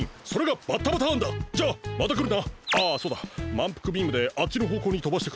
まんぷくビームであっちのほうこうにとばしてくれる？